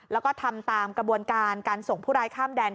แล้วก็ทำตามกระบวนการการส่งผู้ร้ายข้ามแดน